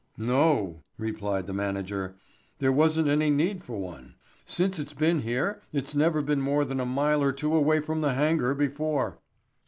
"No," replied the manager. "There wasn't any need for one. Since it's been here it's never been more than a mile or two away from the hangar before."